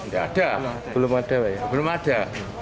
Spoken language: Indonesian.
tidak ada belum ada